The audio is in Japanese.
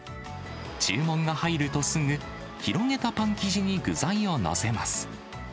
注文が入るとすぐ、広げたパン生地に具材を載せます。